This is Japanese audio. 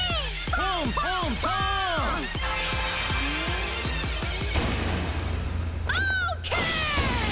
オーケーイ！！